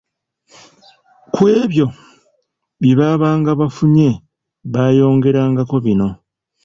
Ku ebyo bye baabanga bafunye baayongerangako bino.